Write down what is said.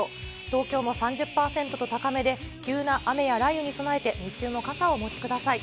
東京も３０％と高めで、急な雨や雷雨に備えて、日中も傘をお持ちください。